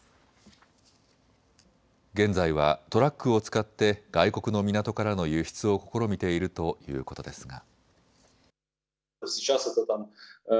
現在はトラックを使って外国の港からの輸出を試みているということですが。